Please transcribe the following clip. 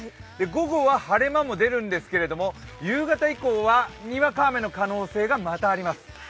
午後は晴れ間も出そうなんですが夕方以降は、にわか雨の可能性がまたあります。